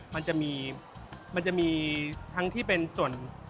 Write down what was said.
มันจะมีคำถึงเป็นส่วน